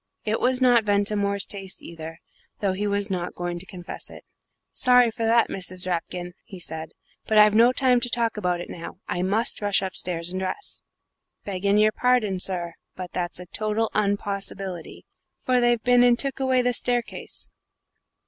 It was not Ventimore's taste either, though he was not going to confess it. "Sorry for that, Mrs. Rapkin," he said, "but I've no time to talk about it now. I must rush upstairs and dress." "Begging your pardon, sir, but that's a total unpossibility for they've been and took away the staircase.'